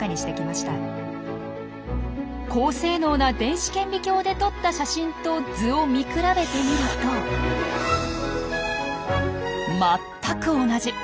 高性能な電子顕微鏡で撮った写真と図を見比べてみると全く同じ！